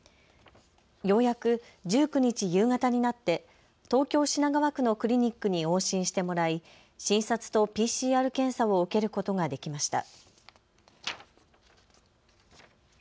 ようやく１９日夕方になって東京品川区のクリニックに往診してもらい診察とＰＣＲ検査を受けることができました。